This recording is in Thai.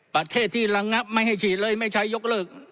ประเทศที่ระงับไม่ให้ฉีดเลยไม่ใช้ยกเลิก